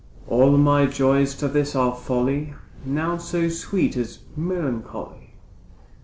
All my joys to this are folly, Naught so sweet as melancholy.